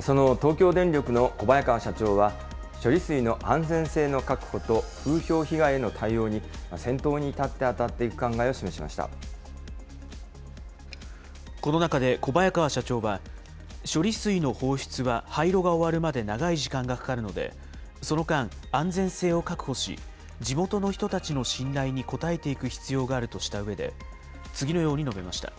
その東京電力の小早川社長は、処理水の安全性の確保と風評被害への対応に先頭に立って当たってこの中で小早川社長は、処理水の放出は廃炉が終わるまで長い時間がかかるので、その間、安全性を確保し、地元の人たちの信頼に応えていく必要があるとしたうえで、次のように述べました。